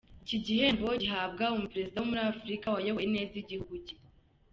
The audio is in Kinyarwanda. Iki gihembo gihabwa umuperezida wo muri Afurika wayoboye neza igihugu cye.